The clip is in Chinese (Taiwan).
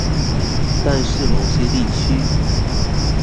但是某些地區